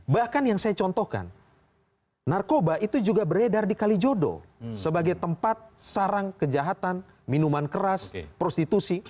bahkan yang saya contohkan narkoba itu juga beredar di kalijodo sebagai tempat sarang kejahatan minuman keras prostitusi